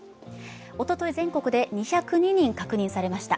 おととい全国で２０２人確認されました。